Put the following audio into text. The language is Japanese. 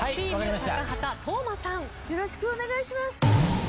よろしくお願いします。